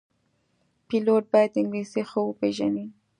پیلوټ باید انګلیسي ښه وپېژني.